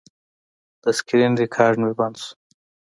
د سکرین ریکارډ مې بند شو.